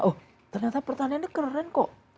oh ternyata pertaniannya keren kok